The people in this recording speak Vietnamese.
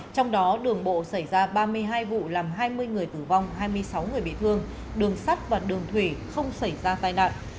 trong đó đường bộ xảy ra ba mươi hai vụ làm hai mươi người tử vong hai mươi sáu người bị thương đường sắt và đường thủy không xảy ra tai nạn